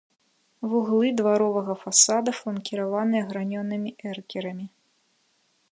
Вуглы дваровага фасада фланкіраваныя гранёнымі эркерамі.